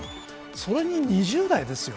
それに２０台ですよ。